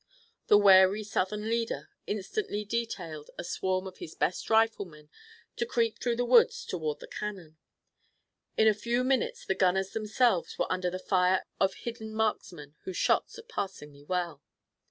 The wary Southern leader instantly detailed a swarm of his best riflemen to creep through the woods toward the cannon. In a few minutes the gunners themselves were under the fire of hidden marksmen who shot surpassingly well.